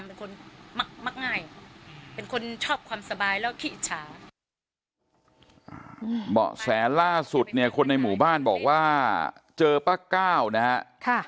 บอกแสนล่าสุดเนี่ยคนในหมู่บ้านบอกว่าเจอป้าก้าวนะครับ